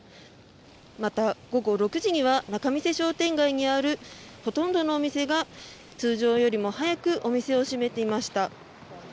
また、午後６時には仲見世商店街にあるほとんどのお店が通常よりも早くお店を閉めていました。